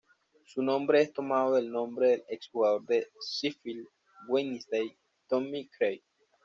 Su nombre es tomado del nombre del ex jugador de Sheffield Wednesday Tommy Craig.